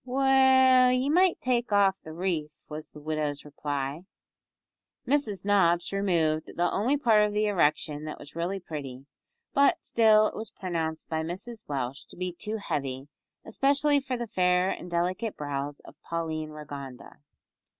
"Well, ye might take off the wreath," was the widow's reply. Mrs Nobbs removed the only part of the erection that was really pretty, but still it was pronounced by Mrs Welsh to be too heavy, especially for the fair and delicate brows of Pauline Rigonda.